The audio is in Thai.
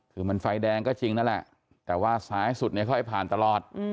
คือมันไฟแดงก็จริงนั่นแหละแต่ว่าซ้ายสุดเนี่ยค่อยผ่านตลอด